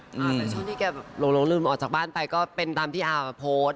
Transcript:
ตอนนี้แกโหลงลืมออกจากบ้านไปก็เป็นตามที่อาพโพส